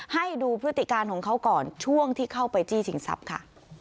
ให้ดูพฤติการของเขาก่อนช่วงที่เข้าไปจี้ชิงทรัพย์ค่ะ